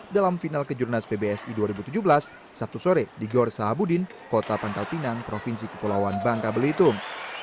dalam final kejurnas pbsi dua ribu tujuh belas sabtu sore di gor sahabudin kota pangkal pinang provinsi kepulauan bangka belitung